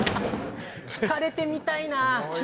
聞かれてみたいな。